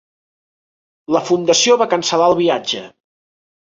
La Fundació va cancel·lar el viatge.